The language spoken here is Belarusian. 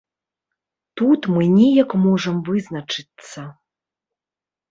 Тут мы неяк можам вызначыцца.